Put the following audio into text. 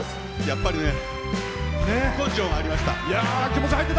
やっぱり根性がありました。